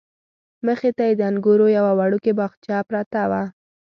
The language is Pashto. مخې ته یې د انګورو یوه وړوکې باغچه پرته وه.